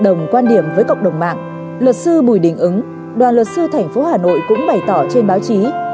đồng quan điểm với cộng đồng mạng luật sư bùi đình ứng đoàn luật sư thành phố hà nội cũng bày tỏ trên báo chí